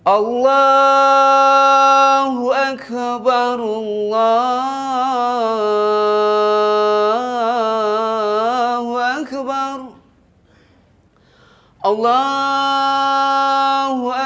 allahu akbar allahu akbar